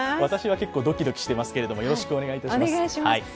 私は結構ドキドキしていますけれども、よろしくお願いします。